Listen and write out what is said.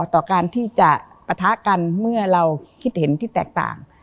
ต่อการที่จะปะทะกันเมื่อเราคิดเห็นที่แตกต่าง